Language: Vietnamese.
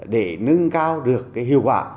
để nâng cao được hiệu quả